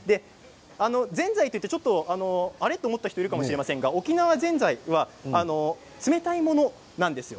ぜんざいというとあれ？と思った人いるかもしれませんが沖縄ぜんざいは冷たいものなんですよ。